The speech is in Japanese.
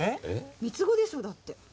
三つ子でしょだって。